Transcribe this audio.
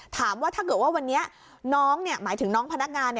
ถ้าเกิดว่าวันนี้น้องหมายถึงน้องพนักงาน